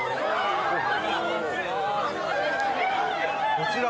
こちら？